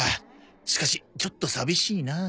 しかしちょっと寂しいなあ。